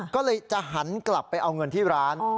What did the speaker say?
ก็เลยจะหันกลับไปเอาเงินที่ร้าน